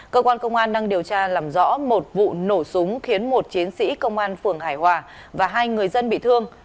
cơ quan công an đang điều tra làm rõ một vụ nổ súng khiến một chiến sĩ công an phường hải hòa và hai người dân bị thương